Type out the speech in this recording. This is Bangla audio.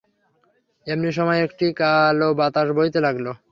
এমনি সময় একটি কাল বাতাস বইতে লাগল।